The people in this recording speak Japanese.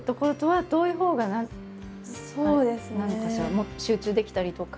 もっと集中できたりとか。